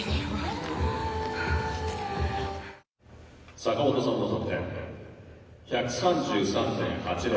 「坂本さんの得点１３３．８０。